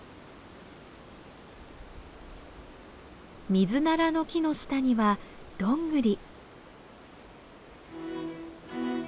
ミズナラの木の下にはどんぐり。